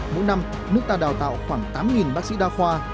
mỗi năm nước ta đào tạo khoảng tám bác sĩ đa khoa